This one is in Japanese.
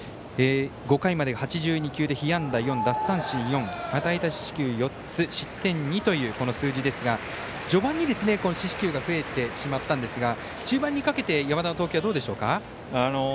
５回まで８２球で、被安打４奪三振４、与えた四死球４つ失点２という数字ですが序盤、四死球があったんですが中盤にかけて山田の投球はどうでしょうか。